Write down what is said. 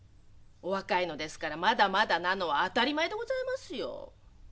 お若いのですからまだまだなのは当たり前でございますよ。